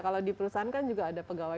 kalau di perusahaan kan juga ada pegawai